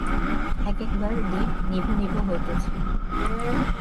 এক একবার দীপ নিভ নিভ হইতেছে।